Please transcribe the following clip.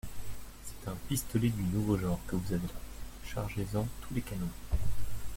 C'est un pistolet du nouveau genre que vous avez là ! Chargez-en tous les canons.